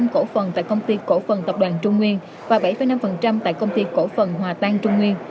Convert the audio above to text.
một mươi năm cổ phần tại công ty cổ phần tập đoàn trung nguyên và bảy năm tại công ty cổ phần hòa tăng trung nguyên